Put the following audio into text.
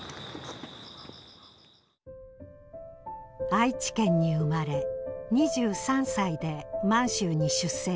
愛知県に生まれ２３歳で満州に出征した横井。